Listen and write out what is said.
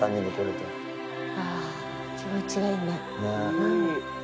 あ気持ちがいいね。